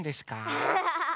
アハハハ！